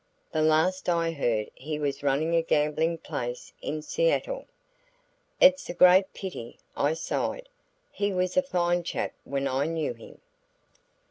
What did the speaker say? The last I heard he was running a gambling place in Seattle." "It's a great pity!" I sighed. "He was a fine chap when I knew him."